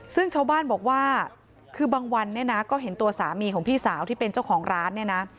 ซึ่งชาวบ้านบอกว่าคือบางวันเนี่ยนะก็เห็นตัวสามีของพี่สาวที่เป็นเจ้าของร้านเนี่ยนะ